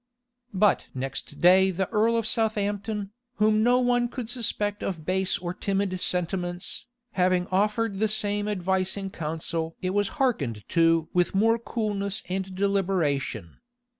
But next day the earl of Southampton, whom no one could suspect of base or timid sentiments, having offered the same advice in council it was hearkened to with more coolness and deliberation.